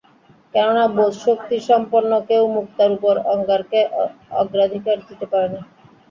কেননা বোধশক্তি সম্পন্ন কেউ মুক্তার উপর অঙ্গারকে অগ্রাধিকার দিতে পারে না।